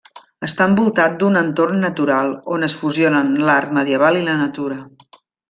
Està envoltat d'un entorn natural, on es fusionen l'art medieval i la natura.